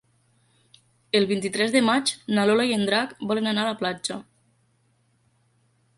El vint-i-tres de maig na Lola i en Drac volen anar a la platja.